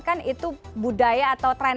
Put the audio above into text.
kan itu budaya atau tren